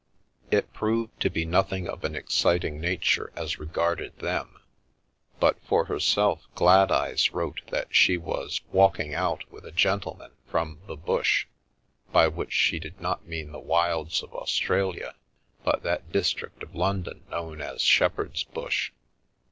It proved 291 The Milky Way to be nothing of an exciting nature as regarded them, but for herself Gladeyes wrote that she was " walking out " with a gentleman from "the Bush," by which she did not mean the wilds of Australia but that district of London known as Shepherd's Bush.